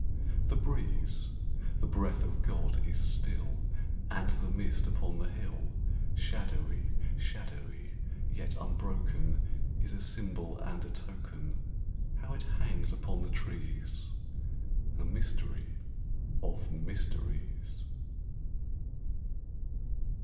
The breeze the breath of God is still And the mist upon the hill Shadowy shadowy yet unbroken, Is a symbol and a token How it hangs upon the trees, A mystery of mysteries!